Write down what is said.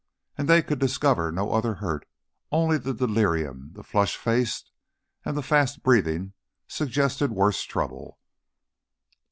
And they could discover no other hurt; only the delirium, the flushed face, and the fast breathing suggested worse trouble.